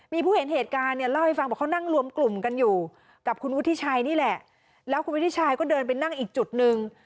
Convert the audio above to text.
มีผู้เห็นเหตุการณ์เนี่ยเล่าให้ฟังบอกเขานั่งรวมกลุ่มกันอยู่กับคุณวุฒิชัยนี่แหละแล้วคุณวุฒิชัยก็เดินไปนั่งอีกจุดหนึ่ง